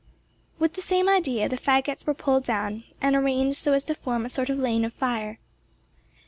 With the same idea the faggots were pulled down, and arranged so as to form a sort of lane of fire.